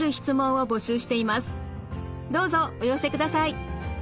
どうぞお寄せください。